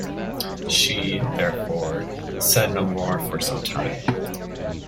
She, therefore, said no more for some time.